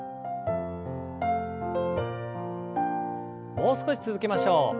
もう少し続けましょう。